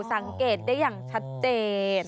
สังเกตได้อย่างชัดเจน